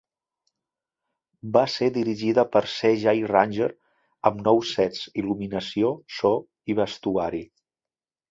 Va ser dirigida per C. Jay Ranger, amb nous sets, il·luminació, so i vestuari.